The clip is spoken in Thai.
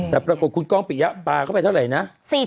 แต่ประกบของคุณก้องปี่ปลาเข้าไปเท่าไรนะ